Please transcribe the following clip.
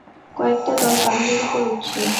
কয়েকটা দল পাহাড়ের ওপর উঠছে।